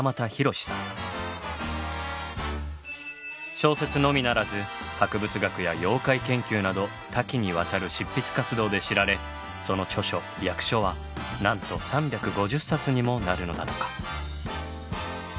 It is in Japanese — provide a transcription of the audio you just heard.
小説のみならず博物学や妖怪研究など多岐にわたる執筆活動で知られその著書・訳書はなんと３５０冊にもなるのだとか。